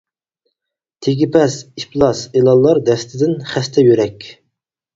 تېگى پەس ئىپلاس ئېلانلار دەستىدىن خەستە يۈرەك.